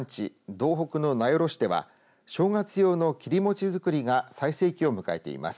道北の名寄市では正月用の切り餅づくりが最盛期を迎えています。